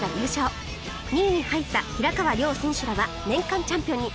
２位に入った平川亮選手らは年間チャンピオンに！